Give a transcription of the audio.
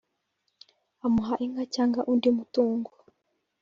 amuha inka cyangwa undi mutungo